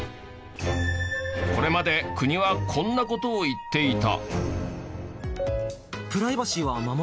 これまで国はこんな事を言っていた。